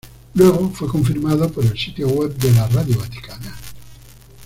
Luego fue confirmada por el sitio web de la Radio Vaticana.